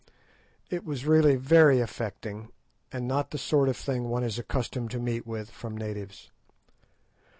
It was really very affecting, and not the sort of thing one is accustomed to meet with from natives.